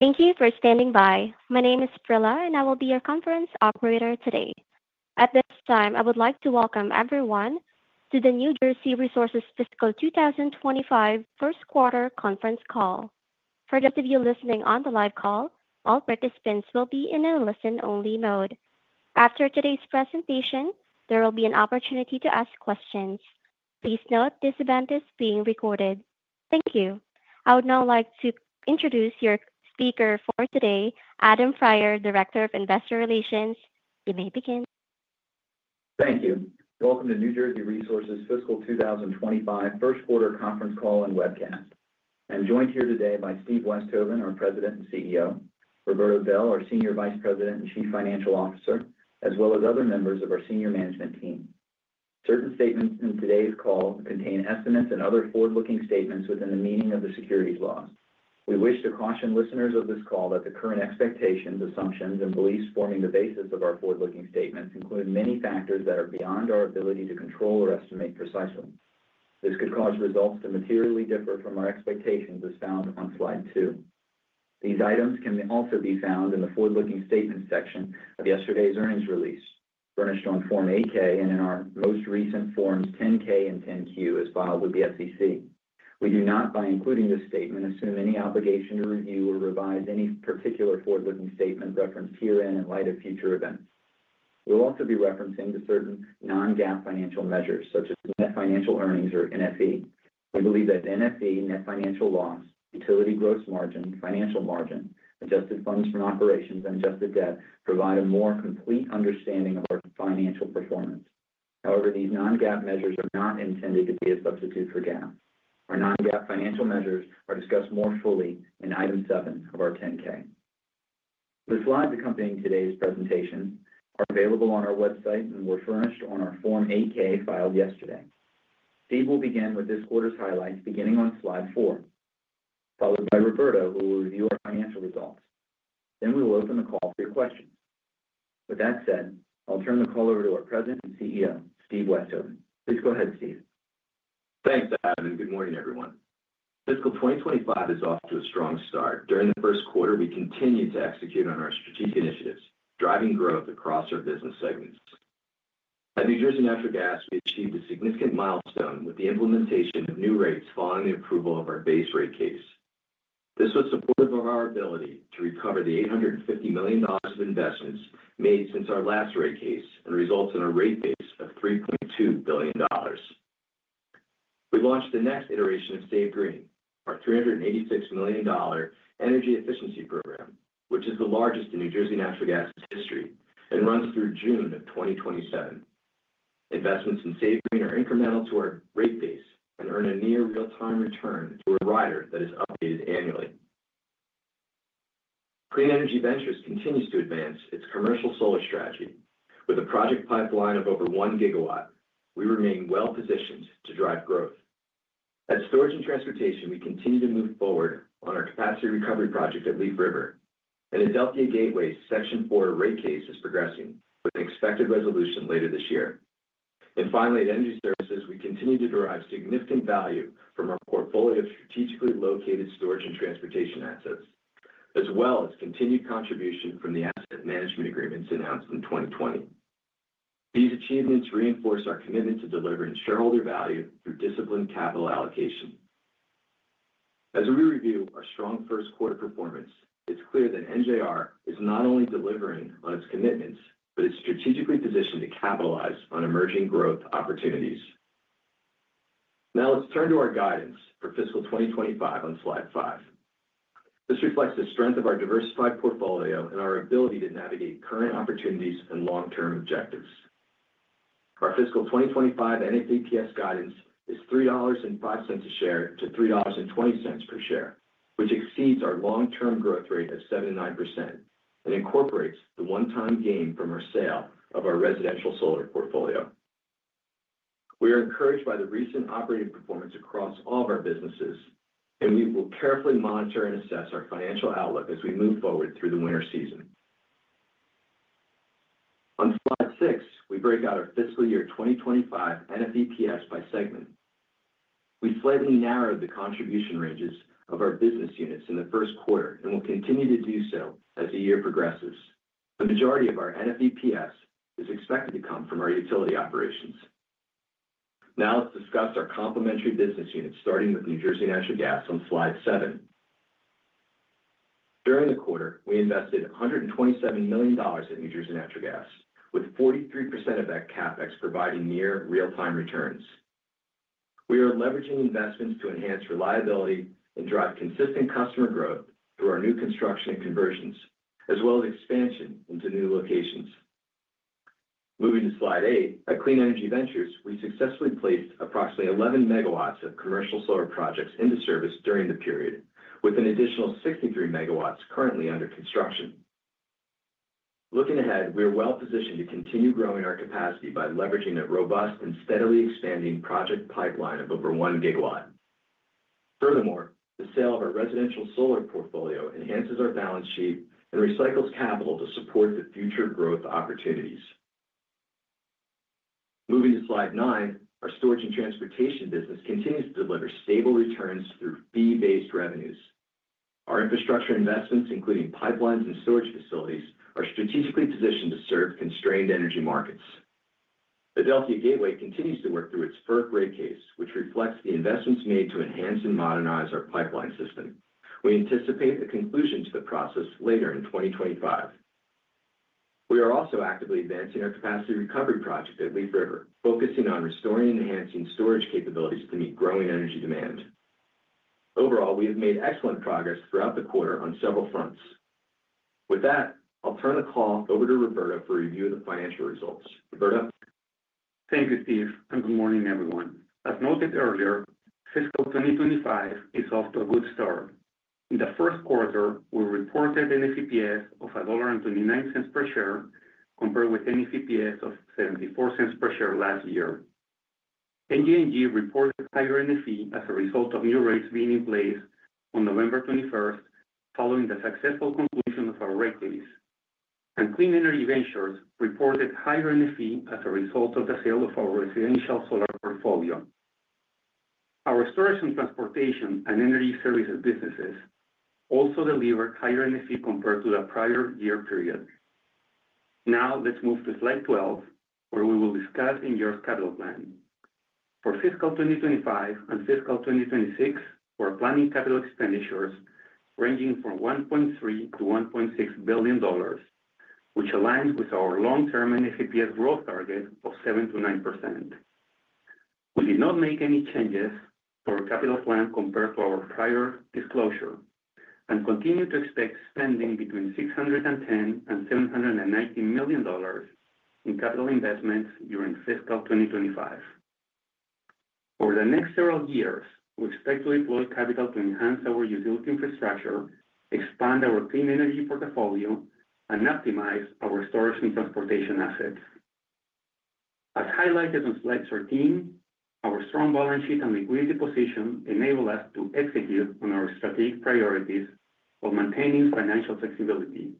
Thank you for standing by. My name is Prilla, and I will be your conference operator today. At this time, I would like to welcome everyone to the New Jersey Resources Fiscal 2025 First Quarter Conference Call. For those of you listening on the live call, all participants will be in a listen-only mode. After today's presentation, there will be an opportunity to ask questions. Please note this event is being recorded. Thank you. I would now like to introduce your speaker for today, Adam Prior, Director of Investor Relations. You may begin. Thank you. Welcome to New Jersey Resources Fiscal 2025 First Quarter Conference Call and Webcast. I'm joined here today by Steve Westhoven, our President and CEO. Roberto Bel, our Senior Vice President and Chief Financial Officer. As well as other members of our Senior Management Team. Certain statements in today's call contain estimates and other forward-looking statements within the meaning of the securities laws. We wish to caution listeners of this call that the current expectations, assumptions, and beliefs forming the basis of our forward-looking statements include many factors that are beyond our ability to control or estimate precisely. This could cause results to materially differ from our expectations, as found on Slide 2. These items can also be found in the forward-looking statements section of yesterday's earnings release, furnished on Form 8-K, and in our most recent Forms 10-K and 10-Q as filed with the SEC. We do not, by including this statement, assume any obligation to review or revise any particular forward-looking statement referenced herein in light of future events. We'll also be referencing certain non-GAAP financial measures, such as net financial earnings, or NFE. We believe that NFE, net financial earnings, utility gross margin, financial margin, adjusted funds from operations, and adjusted debt provide a more complete understanding of our financial performance. However, these non-GAAP measures are not intended to be a substitute for GAAP. Our non-GAAP financial measures are discussed more fully in Item 7 of our 10-K. The slides accompanying today's presentation are available on our website and were furnished on our Form 8-K filed yesterday. Steve will begin with this quarter's highlights, beginning on Slide 4, followed by Roberto, who will review our financial results. Then we will open the call for your questions. With that said, I'll turn the call over to our President and CEO, Steve Westhoven. Please go ahead, Steve. Thanks, Adam, and good morning, everyone. Fiscal 2025 is off to a strong start. During the first quarter, we continue to execute on our strategic initiatives, driving growth across our business segments. At New Jersey Natural Gas, we achieved a significant milestone with the implementation of new rates following the approval of our base rate case. This was supportive of our ability to recover the $850 million of investments made since our last rate case and results in a rate base of $3.2 billion. We launched the next iteration of SAVEGREEN, our $386 million energy efficiency program, which is the largest in New Jersey Natural Gas's history and runs through June of 2027. Investments in SAVEGREEN are incremental to our rate base and earn a near real-time return through a rider that is updated annually. Clean Energy Ventures continues to advance its commercial solar strategy. With a project pipeline of over one gigawatt, we remain well-positioned to drive growth. At Storage and Transportation, we continue to move forward on our capacity recovery project at Leaf River. And at Adelphia Gateway, Section 4 rate case is progressing with an expected resolution later this year. And finally, at Energy Services, we continue to derive significant value from our portfolio of strategically located storage and transportation assets, as well as continued contribution from the asset management agreements announced in 2020. These achievements reinforce our commitment to delivering shareholder value through disciplined capital allocation. As we review our strong first quarter performance, it's clear that NJR is not only delivering on its commitments, but it's strategically positioned to capitalize on emerging growth opportunities. Now let's turn to our guidance for Fiscal 2025 on Slide 5. This reflects the strength of our diversified portfolio and our ability to navigate current opportunities and long-term objectives. Our Fiscal 2025 NFEPS guidance is $3.05-$3.20 per share, which exceeds our long-term growth rate of 7%-9% and incorporates the one-time gain from our sale of our residential solar portfolio. We are encouraged by the recent operating performance across all of our businesses, and we will carefully monitor and assess our financial outlook as we move forward through the winter season. On Slide 6, we break out our Fiscal Year 2025 NFEPS by segment. We slightly narrowed the contribution ranges of our business units in the first quarter and will continue to do so as the year progresses. The majority of our NFEPS is expected to come from our utility operations. Now let's discuss our complementary business units, starting with New Jersey Natural Gas on Slide 7. During the quarter, we invested $127 million at New Jersey Natural Gas, with 43% of that CapEx providing near real-time returns. We are leveraging investments to enhance reliability and drive consistent customer growth through our new construction and conversions, as well as expansion into new locations. Moving to Slide 8, at Clean Energy Ventures, we successfully placed approximately 11 megawatts of commercial solar projects into service during the period, with an additional 63 megawatts currently under construction. Looking ahead, we are well-positioned to continue growing our capacity by leveraging a robust and steadily expanding project pipeline of over one gigawatt. Furthermore, the sale of our residential solar portfolio enhances our balance sheet and recycles capital to support the future growth opportunities. Moving to Slide 9, our storage and transportation business continues to deliver stable returns through fee-based revenues. Our infrastructure investments, including pipelines and storage facilities, are strategically positioned to serve constrained energy markets. The Adelphia Gateway continues to work through its first rate case, which reflects the investments made to enhance and modernize our pipeline system. We anticipate a conclusion to the process later in 2025. We are also actively advancing our capacity recovery project at Leaf River, focusing on restoring and enhancing storage capabilities to meet growing energy demand. Overall, we have made excellent progress throughout the quarter on several fronts. With that, I'll turn the call over to Roberto for review of the financial results. Roberto. Thank you, Steve, and good morning, everyone. As noted earlier, Fiscal 2025 is off to a good start. In the first quarter, we reported an NFEPS of $1.29 per share, compared with an NFEPS of $0.74 per share last year. NJNG reported higher NFE as a result of new rates being in place on November 21, following the successful completion of our rate case, and Clean Energy Ventures reported higher NFE as a result of the sale of our residential solar portfolio. Our storage and transportation and energy services businesses also delivered higher NFE compared to the prior year period. Now let's move to Slide 12, where we will discuss NJR's capital plan. For Fiscal 2025 and Fiscal 2026, we're planning capital expenditures ranging from $1.3-$1.6 billion, which aligns with our long-term NFEPS growth target of 7-9%. We did not make any changes to our capital plan compared to our prior disclosure and continue to expect spending between $610 and $719 million in capital investments during Fiscal 2025. Over the next several years, we expect to deploy capital to enhance our utility infrastructure, expand our clean energy portfolio, and optimize our storage and transportation assets. As highlighted on Slide 13, our strong balance sheet and liquidity position enable us to execute on our strategic priorities while maintaining financial flexibility.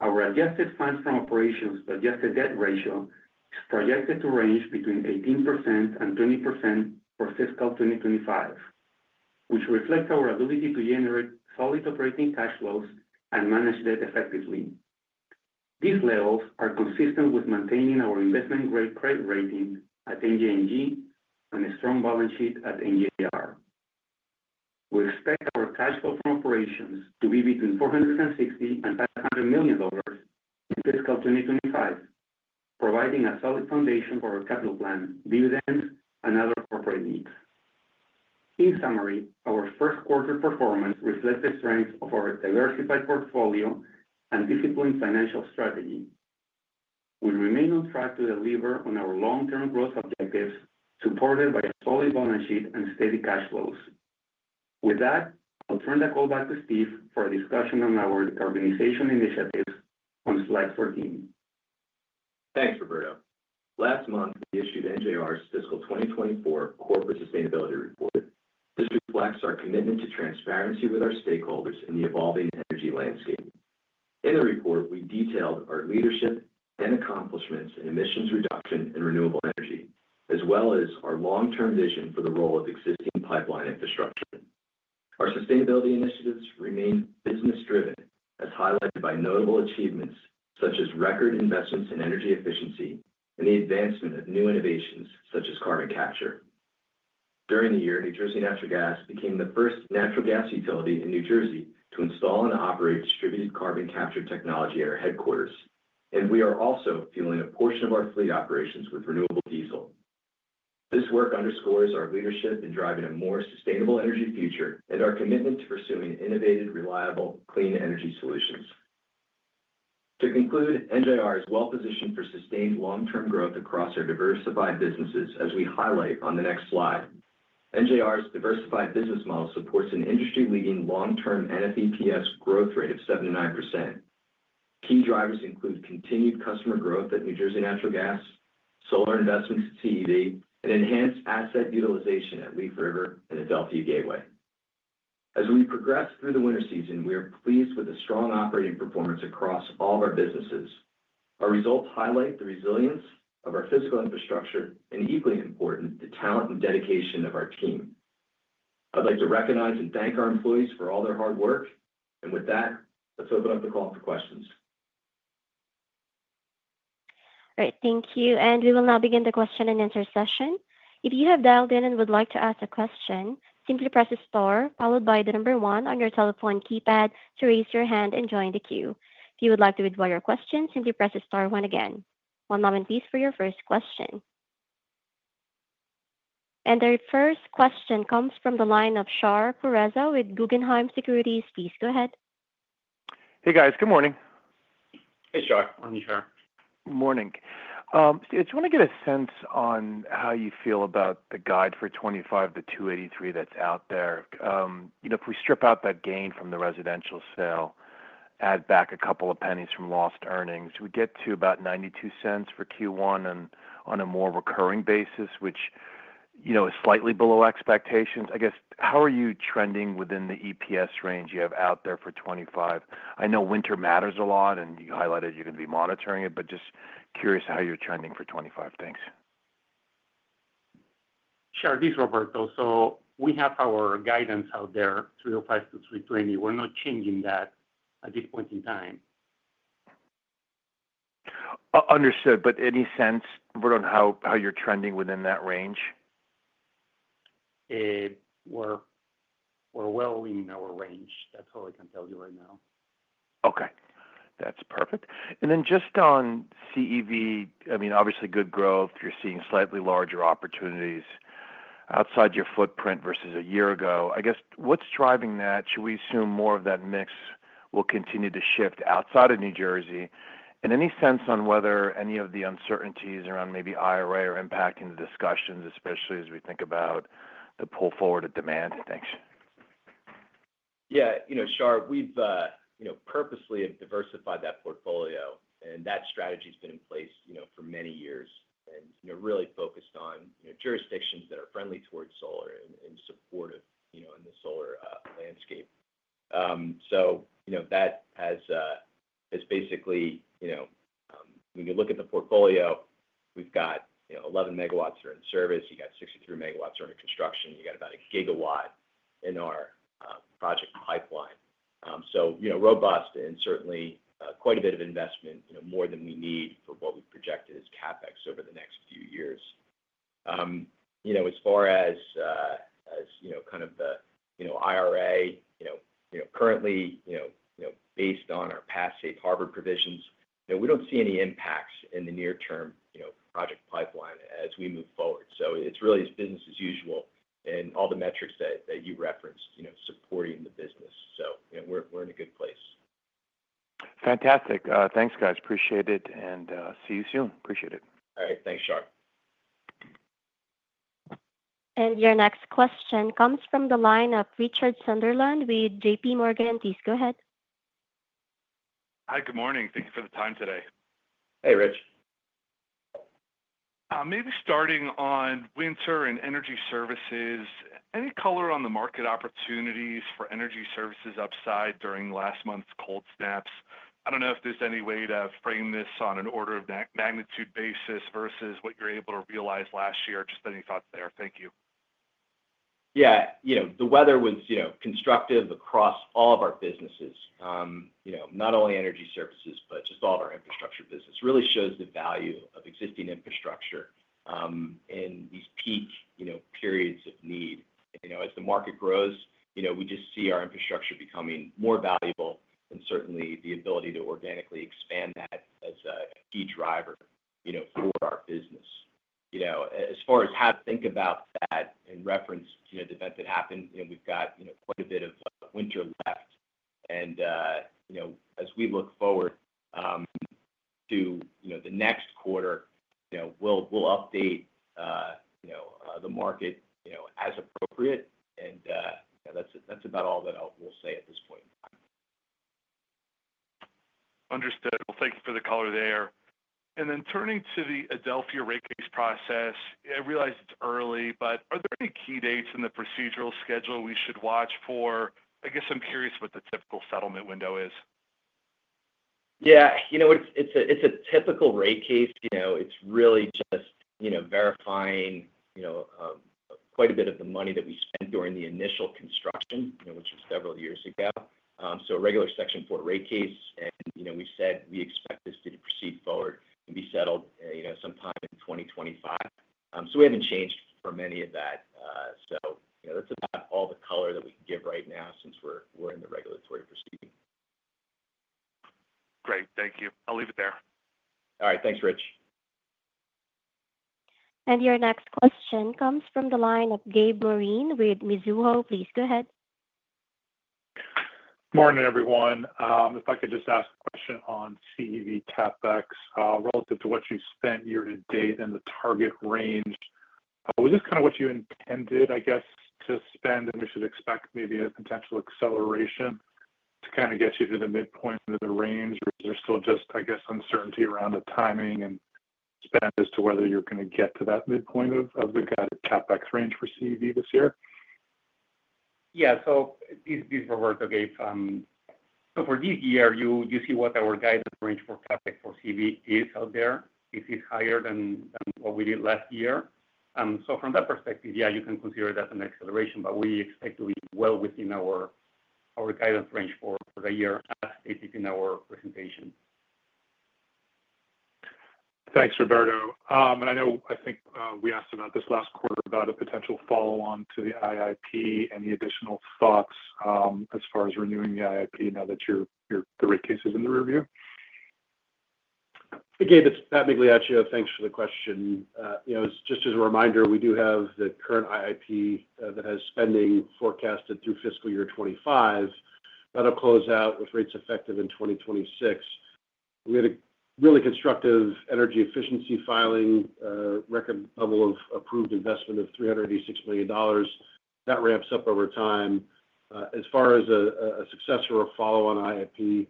Our adjusted funds from operations to adjusted debt ratio is projected to range between 18% and 20% for Fiscal 2025, which reflects our ability to generate solid operating cash flows and manage debt effectively. These levels are consistent with maintaining our investment-grade credit rating at NJNG and a strong balance sheet at NJR. We expect our cash flow from operations to be between $460 and $500 million in Fiscal 2025, providing a solid foundation for our capital plan, dividends, and other corporate needs. In summary, our first quarter performance reflects the strength of our diversified portfolio and disciplined financial strategy. We remain on track to deliver on our long-term growth objectives, supported by a solid balance sheet and steady cash flows. With that, I'll turn the call back to Steve for a discussion on our decarbonization initiatives on Slide 14. Thanks, Roberto. Last month, we issued NJR's Fiscal 2024 Corporate Sustainability Report. This reflects our commitment to transparency with our stakeholders in the evolving energy landscape. In the report, we detailed our leadership and accomplishments in emissions reduction and renewable energy, as well as our long-term vision for the role of existing pipeline infrastructure. Our sustainability initiatives remain business-driven, as highlighted by notable achievements such as record investments in energy efficiency and the advancement of new innovations such as carbon capture. During the year, New Jersey Natural Gas became the first natural gas utility in New Jersey to install and operate distributed carbon capture technology at our headquarters, and we are also fueling a portion of our fleet operations with renewable diesel. This work underscores our leadership in driving a more sustainable energy future and our commitment to pursuing innovative, reliable, clean energy solutions. To conclude, NJR is well-positioned for sustained long-term growth across our diversified businesses, as we highlight on the next slide. NJR's diversified business model supports an industry-leading long-term NFEPS growth rate of 79%. Key drivers include continued customer growth at New Jersey Natural Gas, solar investments at CEV, and enhanced asset utilization at Leaf River and at Adelphia Gateway. As we progress through the winter season, we are pleased with the strong operating performance across all of our businesses. Our results highlight the resilience of our physical infrastructure and, equally important, the talent and dedication of our team. I'd like to recognize and thank our employees for all their hard work, and with that, let's open up the call for questions. All right, thank you. And we will now begin the question and answer session. If you have dialed in and would like to ask a question, simply press the star, followed by the number one on your telephone keypad to raise your hand and join the queue. If you would like to withdraw your question, simply press the star one again. One moment, please, for your first question. And our first question comes from the line of Shar Pourreza with Guggenheim Securities. Please go ahead. Hey, guys. Good morning. Hey, Shar. I'm Shar. Morning. I just want to get a sense on how you feel about the guide for 2025, the $2.83 that's out there. If we strip out that gain from the residential sale, add back a couple of pennies from lost earnings, we get to about $0.92 for Q1 on a more recurring basis, which is slightly below expectations. I guess, how are you trending within the EPS range you have out there for 2025? I know winter matters a lot, and you highlighted you're going to be monitoring it, but just curious how you're trending for 2025. Thanks. Shar, this is Roberto. So we have our guidance out there, 3.05-320. We're not changing that at this point in time. Understood. But any sense on how you're trending within that range? We're well in our range. That's all I can tell you right now. Okay. That's perfect. And then just on CEV, I mean, obviously good growth. You're seeing slightly larger opportunities outside your footprint versus a year ago. I guess, what's driving that? Should we assume more of that mix will continue to shift outside of New Jersey? And any sense on whether any of the uncertainties around maybe IRA are impacting the discussions, especially as we think about the pull forward of demand? Thanks. Yeah. Shar, we've purposely diversified that portfolio, and that strategy has been in place for many years and really focused on jurisdictions that are friendly towards solar and supportive in the solar landscape. So that has basically, when you look at the portfolio, we've got 11 megawatts that are in service. You've got 63 megawatts that are under construction. You've got about a gigawatt in our project pipeline. So robust and certainly quite a bit of investment, more than we need for what we projected as CapEx over the next few years. As far as kind of the IRA, currently, based on our Safe Harbor provisions, we don't see any impacts in the near-term project pipeline as we move forward. So it's really business as usual and all the metrics that you referenced supporting the business. So we're in a good place. Fantastic. Thanks, guys. Appreciate it and see you soon. Appreciate it. All right. Thanks, Shar. Your next question comes from the line of Richard Sunderland with JPMorgan. Please go ahead. Hi, good morning. Thank you for the time today. Hey, Rich. Maybe starting on winter and energy services, any color on the market opportunities for energy services upside during last month's cold snaps? I don't know if there's any way to frame this on an order of magnitude basis versus what you're able to realize last year. Just any thoughts there? Thank you. Yeah. The weather was constructive across all of our businesses, not only energy services, but just all of our infrastructure business. It really shows the value of existing infrastructure in these peak periods of need. As the market grows, we just see our infrastructure becoming more valuable, and certainly the ability to organically expand that is a key driver for our business. As far as how to think about that in reference to the event that happened, we've got quite a bit of winter left. And as we look forward to the next quarter, we'll update the market as appropriate. And that's about all that we'll say at this point in time. Understood. Well, thank you for the color there. And then turning to the Adelphia rate case process, I realize it's early, but are there any key dates in the procedural schedule we should watch for? I guess I'm curious what the typical settlement window is. Yeah. It's a typical rate case. It's really just verifying quite a bit of the money that we spent during the initial construction, which was several years ago. So a regular Section 4 rate case. And we said we expect this to proceed forward and be settled sometime in 2025. So we haven't changed from any of that. So that's about all the color that we can give right now since we're in the regulatory proceeding. Great. Thank you. I'll leave it there. All right. Thanks, Rich. Your next question comes from the line of Gabriel Moreen with Mizuho. Please go ahead. Morning, everyone. If I could just ask a question on CEV CapEx relative to what you spent year to date and the target range. Was this kind of what you intended, I guess, to spend, and we should expect maybe a potential acceleration to kind of get you to the midpoint of the range? Or is there still just, I guess, uncertainty around the timing and spend as to whether you're going to get to that midpoint of the CapEx range for CEV this year? Yeah. So this is Roberto. So for this year, you see what our guidance range for CapEx for CEV is out there. It is higher than what we did last year. So from that perspective, yeah, you can consider that an acceleration, but we expect to be well within our guidance range for the year as stated in our presentation. Thanks, Roberto. And I think we asked about this last quarter about a potential follow-on to the IIP. Any additional thoughts as far as renewing the IIP now that the rate case is in the review? Again, it's Pat Migliaccio. Thanks for the question. Just as a reminder, we do have the current IIP that has spending forecasted through fiscal year 2025. That'll close out with rates effective in 2026. We had a really constructive energy efficiency filing, record level of approved investment of $386 million. That ramps up over time. As far as a successor or follow-on IIP,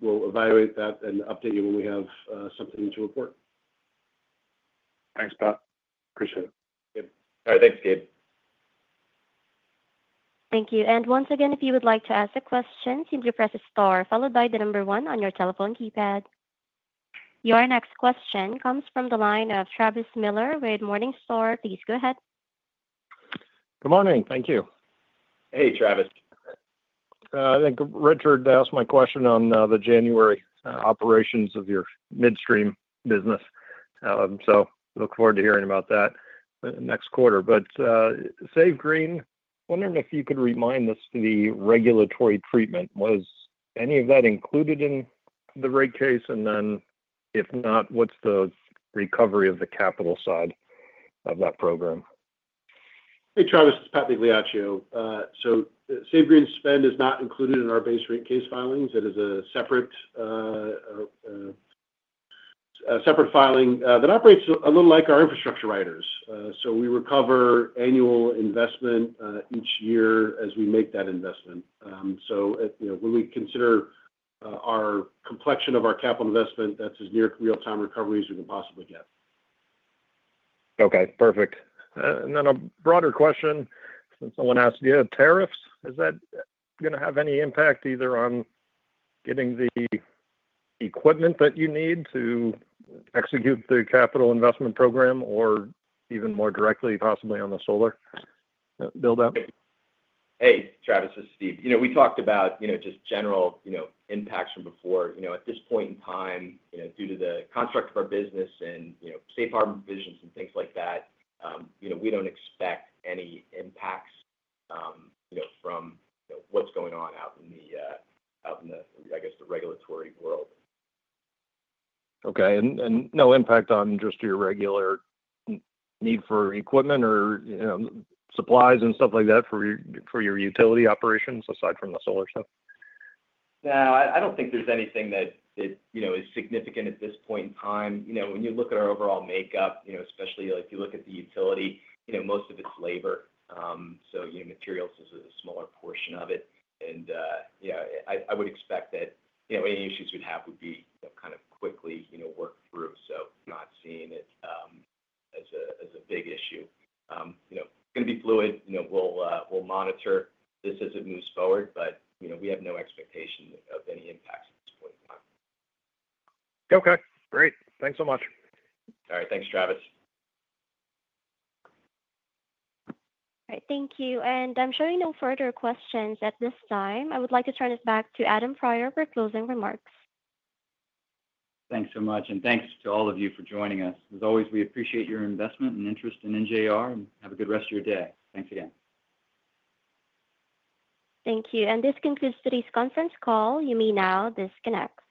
we'll evaluate that and update you when we have something to report. Thanks, Pat. Appreciate it. All right. Thanks, Gabe. Thank you. And once again, if you would like to ask a question, simply press the star, followed by the number one on your telephone keypad. Your next question comes from the line of Travis Miller with Morningstar. Please go ahead. Good morning. Thank you. Hey, Travis. I think Richard asked my question on the January operations of your midstream business. So look forward to hearing about that next quarter. But, SAVEGREEN, wondering if you could remind us of the regulatory treatment. Was any of that included in the rate case? And then if not, what's the recovery of the capital side of that program? Hey, Travis. It's Pat Migliaccio. So SAVEGREEN's spend is not included in our base rate case filings. It is a separate filing that operates a little like our infrastructure riders. So we recover annual investment each year as we make that investment. So when we consider our composition of our capital investment, that's as near real-time recovery as we can possibly get. Okay. Perfect. And then a broader question. Someone asked, do you have tariffs? Is that going to have any impact either on getting the equipment that you need to execute the capital investment program or even more directly, possibly on the solar build-up? Hey, Travis. This is Steve. We talked about just general impacts from before. At this point in time, due to the construct of our business and safe harbor provisions and things like that, we don't expect any impacts from what's going on out in the, I guess, the regulatory world. Okay, and no impact on just your regular need for equipment or supplies and stuff like that for your utility operations aside from the solar stuff? No. I don't think there's anything that is significant at this point in time. When you look at our overall makeup, especially if you look at the utility, most of it's labor. So materials is a smaller portion of it. And I would expect that any issues we'd have would be kind of quickly worked through. So. Not seeing it as a big issue. It's going to be fluid. We'll monitor this as it moves forward, but we have no expectation of any impacts at this point in time. Okay. Great. Thanks so much. All right. Thanks, Travis. All right. Thank you. I'm sure no further questions at this time. I would like to turn it back to Adam Prior for closing remarks. Thanks so much. And thanks to all of you for joining us. As always, we appreciate your investment and interest in NJR, and have a good rest of your day. Thanks again. Thank you. And this concludes today's conference call. You may now disconnect.